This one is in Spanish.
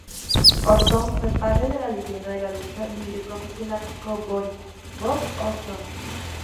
Orton fue padre de la leyenda de la lucha libre profesional "Cowboy" Bob Orton.